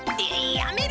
やめろ！